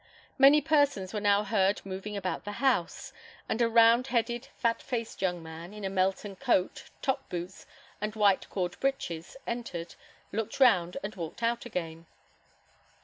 Many persons were now heard moving about the house, and a round headed, fat faced young man, in a Melton coat, top boots, and white cord breeches, entered, looked round, and walked out again.